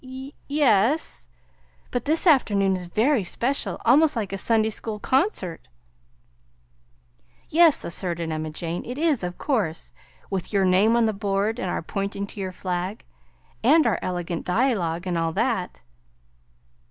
"Ye es; but this afternoon is very special almost like a Sunday school concert." "Yes," assented Emma Jane, "it is, of course; with your name on the board, and our pointing to your flag, and our elergant dialogue, and all that."